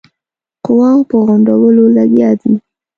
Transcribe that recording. قواوو په غونډولو لګیا دی.